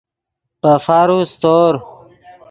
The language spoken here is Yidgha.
پے فارو سیتور